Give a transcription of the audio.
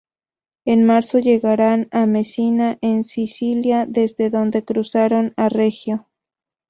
En marzo llegaron a Mesina, en Sicilia, desde donde cruzaron a Regio.